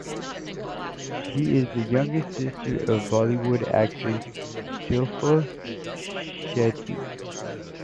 She is the younger sister of Bollywood actress Shilpa Shetty.